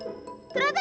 gepap bumi gepap bumi